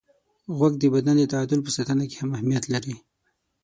غوږ د بدن د تعادل په ساتنه کې هم اهمیت لري.